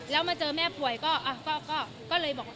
แล้วมาเจอแม่ป่วยก็เลยบอกว่า